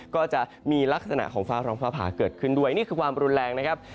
ก็จะมีลักษณะของฟ้าร้องฟ้าผ่าเกิดขึ้นด้วยนี่คือความรุนแรงนะครับ